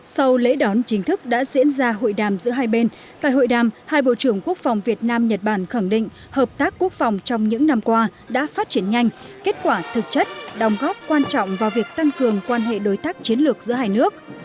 sau lễ đón chính thức đã diễn ra hội đàm giữa hai bên tại hội đàm hai bộ trưởng quốc phòng việt nam nhật bản khẳng định hợp tác quốc phòng trong những năm qua đã phát triển nhanh kết quả thực chất đồng góp quan trọng vào việc tăng cường quan hệ đối tác chiến lược giữa hai nước